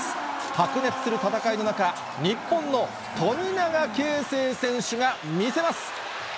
白熱する戦いの中、日本の富永啓生選手が見せます。